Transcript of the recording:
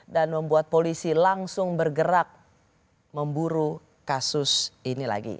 dan membuat polisi langsung bergerak memburu kasus ini lagi